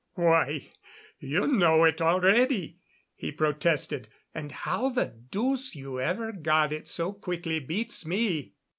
"Why, you know it already," he protested. "And how the deuce you ever got it so quickly beats me."